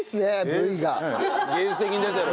芸術的に出てる？